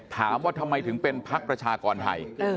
ถามว่าทำไมถึงเป็นพักประชากรไทย